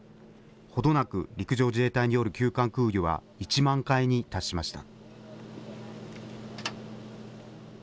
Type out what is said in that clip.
ほどなく陸上自衛隊による急患空輸は１万回に達しました。